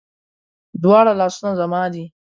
دواړه لاسونه زما دي